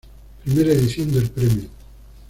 I edición del premio.